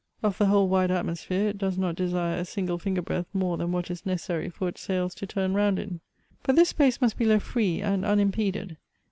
Of the whole wide atmosphere it does not desire a single finger breadth more than what is necessary for its sails to turn round in. But this space must be left free and unimpeded.